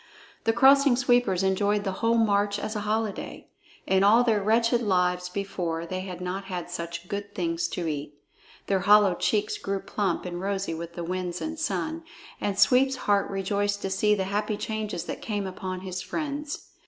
The Crossing Sweepers enjoyed the whole march as a holiday. In all their wretched lives before they had not had such good things to eat. Their hollow cheeks grew plump and rosy with the winds and sun, and Sweep's heart rejoiced to see the happy changes that came upon his friends.